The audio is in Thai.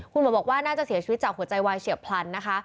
คุณหมอบอกว่าน่าจะเสียชีวิตจากหัวใจวายเฉียบพลันนะคะ